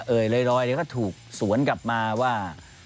เอ่ยเรื่อยก็ถูกสวนกลับมาว่า